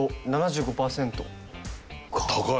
高い。